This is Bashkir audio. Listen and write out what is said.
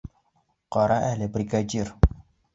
Ҡара әле, бригадир!